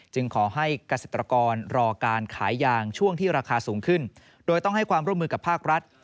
ขอให้เกษตรกรรอการขายยางช่วงที่ราคาสูงขึ้นโดยต้องให้ความร่วมมือกับภาครัฐ